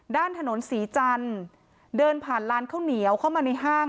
ด้านถนนศรีจันทร์เดินผ่านร้านข้าวเหนียวเข้ามาในห้าง